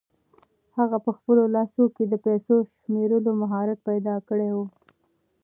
هغه په خپلو لاسو کې د پیسو د شمېرلو مهارت پیدا کړی و.